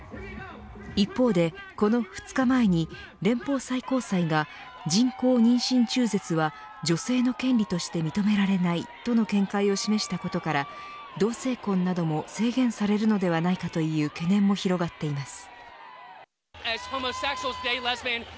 一方で、この２日前に連邦最高裁が人工妊娠中絶は女性の権利として認められないとの見解を示したことから同性婚なども制限されるのではないかという懸念も広がっています。